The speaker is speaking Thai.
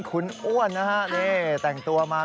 คุณอ้วนนะฮะนี่แต่งตัวมา